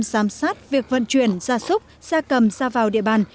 giám sát việc vận chuyển ra súc ra cầm ra vào địa bàn